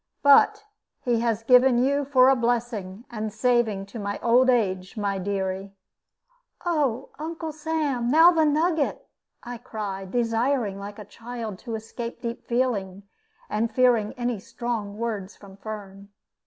But he has given you for a blessing and saving to my old age, my dearie." "Oh, Uncle Sam, now the nugget!" I cried, desiring like a child to escape deep feeling, and fearing any strong words from Firm.